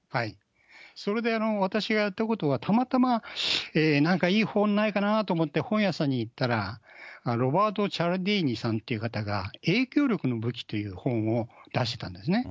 それで私がやったことは、たまたまなんかいい方法ないかなと思って本屋さんに行ったら、ロバート・チャルディーニさんって方が、影響力の武器という本を出してたんですね。